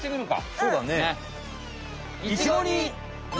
そうだね。